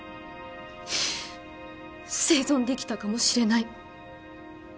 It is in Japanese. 生存できたかもしれない。